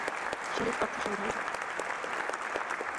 শরিফ অর্থ সম্ভ্রান্ত।